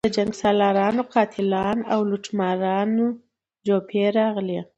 د جنګسالارانو، قاتلانو او لوټمارانو جوپې راغلي.